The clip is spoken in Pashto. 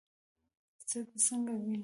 سترګې څنګه ویني؟